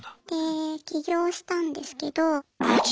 で起業したんですけど。